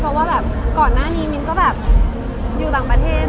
เพราะว่าแบบก่อนหน้านี้มิ้นก็แบบอยู่ต่างประเทศ